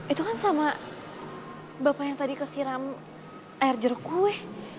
itu kan sama bapak yang tadi kesiram air jeruk kue